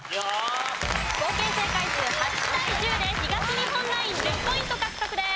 合計正解数８対１０で東日本ナイン１０ポイント獲得です。